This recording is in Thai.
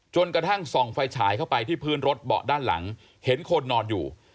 กระทั่งส่องไฟฉายเข้าไปที่พื้นรถเบาะด้านหลังเห็นคนนอนอยู่